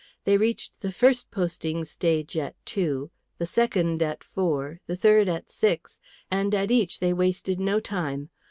They reached the first posting stage at two, the second at four, the third at six, and at each they wasted no time.